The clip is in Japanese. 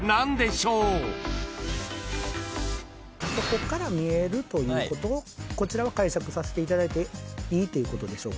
こっから見えるということをこちらは解釈させていただいていいってことでしょうか？